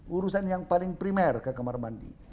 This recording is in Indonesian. urusan yang paling primer ke kamar mandi